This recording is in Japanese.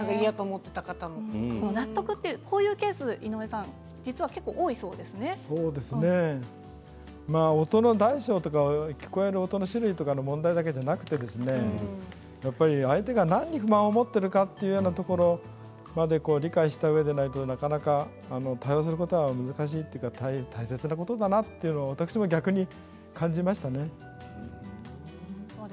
こういうケースは音の大小とか聞こえる音の種類の問題だけじゃなくて相手が何に不満を持っているかというところまで理解したうえでないとなかなか難しいというか対応することが難しいというか大切なことなんだと感じましたね。